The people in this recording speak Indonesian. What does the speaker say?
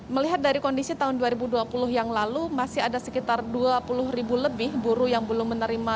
melihat dari kondisi tahun dua ribu dua puluh yang lalu masih ada sekitar dua puluh ribu lebih buruh yang belum menerima